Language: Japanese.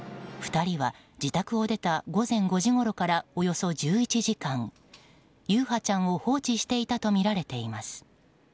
２人は自宅を出た午前５時ごろからおよそ１１時間、優陽ちゃんを放置していたとみられています。